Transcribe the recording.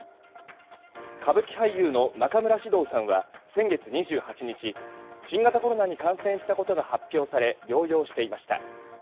歌舞伎俳優の中村獅童さんは先月２８日新型コロナに感染したことが発表され、療養していました。